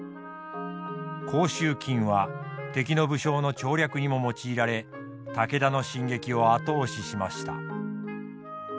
甲州金は敵の武将の調略にも用いられ武田の進撃を後押ししました。